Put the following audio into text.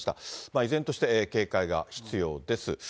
依然として警戒が必要です。